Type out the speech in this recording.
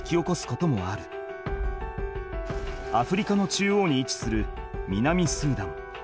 アフリカの中央にいちする南スーダン。